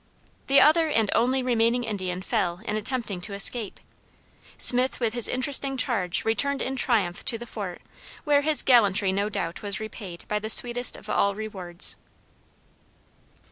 The other and only remaining Indian fell in attempting to escape. Smith with his interesting charge returned in triumph to the fort where his gallantry no doubt was repaid by the sweetest of all rewards.